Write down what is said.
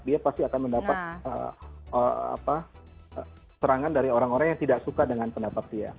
dia pasti akan mendapat serangan dari orang orang yang tidak suka dengan pendapat dia